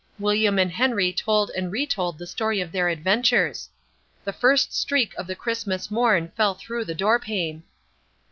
William and Henry told and retold the story of their adventures. The first streak of the Christmas morn fell through the door pane.